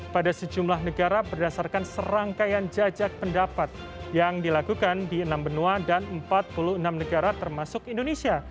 pada sejumlah negara berdasarkan serangkaian jajak pendapat yang dilakukan di enam benua dan empat puluh enam negara termasuk indonesia